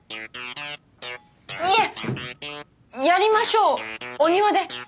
いえやりましょうお庭で。